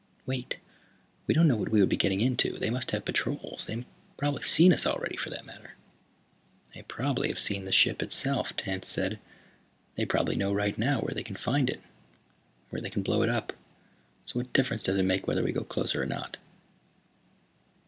"Wait. We don't know what we would be getting into. They must have patrols. They probably have seen us already, for that matter." "They probably have seen the ship itself," Tance said. "They probably know right now where they can find it, where they can blow it up. So what difference does it make whether we go closer or not?"